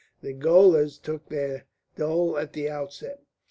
The gaolers took their dole at the outset.